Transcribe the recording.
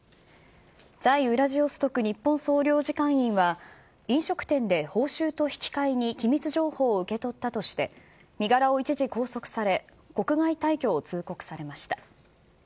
在ウラジオストク日本総領事館員は飲食店で報酬と引き換えに、機密情報を受け取ったとして、身柄を一時拘束され、国外退去を通告されました。